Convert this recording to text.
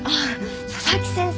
佐々木先生